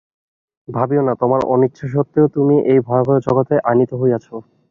ভাবিও না, তোমার অনিচ্ছাসত্ত্বেও তুমি এই ভয়াবহ জগতে আনীত হইয়াছ।